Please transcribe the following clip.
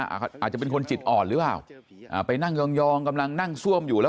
อาจจะเป็นคนจิตอ่อนหรือเปล่าอ่าไปนั่งยองกำลังนั่งซ่วมอยู่แล้ว